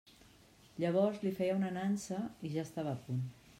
Llavors li feia una nansa i ja estava a punt.